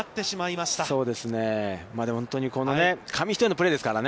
まあ、でも、本当に紙一重のプレーですからね。